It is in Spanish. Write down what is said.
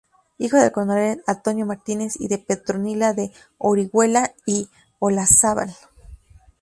Hijo del coronel Antonio Martínez y de Petronila de Orihuela y Olazábal.